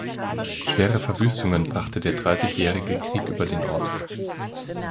Schwere Verwüstungen brachte der Dreißigjährige Krieg über den Ort.